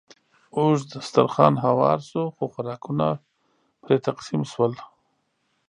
اوږد دسترخوان هوار شو، څو خوراکونه پرې تقسیم شول.